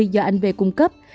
do anh v cung cấp